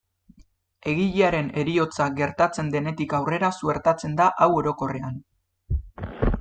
Egilearen heriotza gertatzen denetik aurrera suertatzen da hau orokorrean.